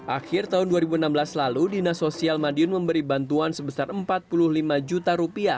akhir tahun dua ribu enam belas lalu dinas sosial madiun memberi bantuan sebesar rp empat puluh lima juta